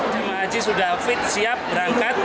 jemaah haji sudah fit siap berangkat